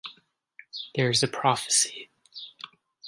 There is a prophecy.